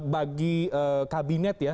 bagi kabinet ya